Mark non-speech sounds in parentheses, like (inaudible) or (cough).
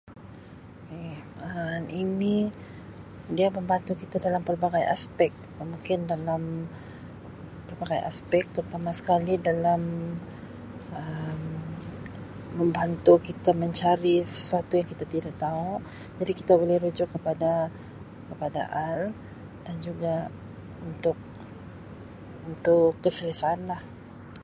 Um Ini dia membantu kita dalam pelbagai aspek, mungkin dalam pelbagai aspek terutama sekali dalam Um membantu kita mencari sesuatu yang kita tidak tahu jadi kita boleh rujuk kepada- kepada (unintelligible) dan juga untuk-untuk keselesaan lah.